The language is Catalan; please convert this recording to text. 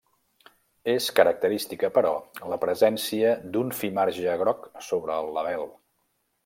És característica, però, la presència d'un fi marge groc sobre el label.